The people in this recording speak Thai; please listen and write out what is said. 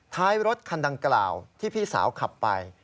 ท้ายรถคันดังกล่าวที่พี่สาวขับไป